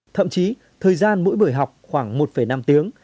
thậm chí thời gian mỗi buổi học khoảng một năm tiếng